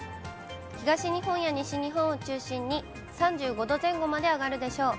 東日本や西日本を中心に、３５度前後まで上がるでしょう。